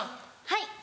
はい。